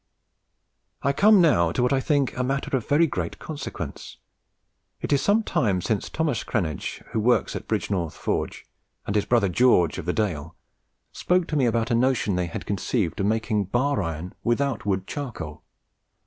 "I come now to what I think a matter of very great consequence. It is some time since Thos. Cranege, who works at Bridgenorth Forge, and his brother George, of the Dale, spoke to me about a notion they had conceived of making bar iron without wood charcoal.